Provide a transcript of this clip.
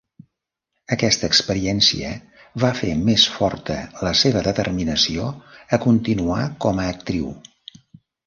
Aquesta experiència va fer més forta la seva determinació a continuar com a actriu.